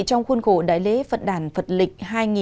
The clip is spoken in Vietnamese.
trong khuôn khổ đại lễ phật đản phật lịch